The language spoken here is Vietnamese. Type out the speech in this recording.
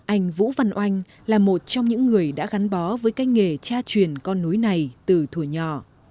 anh vũ văn oanh là một trong những người đã gắn bó với cái nghề tra truyền con núi này từ thủ nhỏ